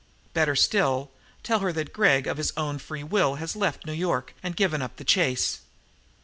Better still, tell her that Gregg of his own free will has left New York and given up the chase.